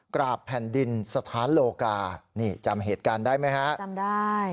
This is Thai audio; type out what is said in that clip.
กราบแผ่นดินสถานโลกานี่จำเหตุการณ์ได้ไหมฮะจำได้